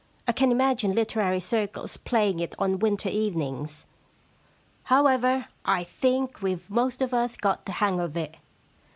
I can imagine literary circles playing it on winter evenings. However, I think weVe most of us got the hang of it.